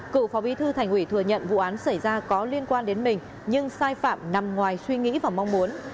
cựu phó bí thư thành ủy thừa nhận vụ án xảy ra có liên quan đến mình nhưng sai phạm nằm ngoài suy nghĩ và mong muốn